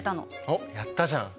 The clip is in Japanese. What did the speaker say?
おやったじゃん。